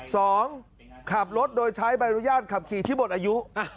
สองขับรถโดยใช้บรรยาทขับขี่ที่บทอายุ